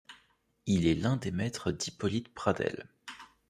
Il est l'un des maîtres d'Hippolyte Pradelles.